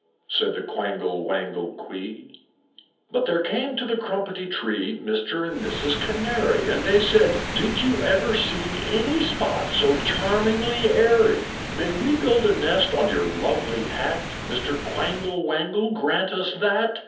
Said the Quangle Wangle Quee. III. But there came to the Crumpetty Tree Mr. and Mrs. Canary; And they said, "Did ever you see Any spot so charmingly airy? May we build a nest on your lovely Hat? Mr. Quangle Wangle, grant us that!